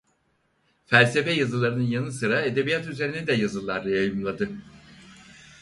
Felsefe yazılarının yanı sıra edebiyat üzerine yazılar da yayımladı.